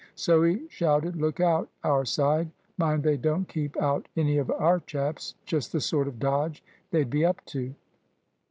So he shouted, "Look out, our side! Mind they don't keep out any of our chaps. Just the sort of dodge they'd be up to."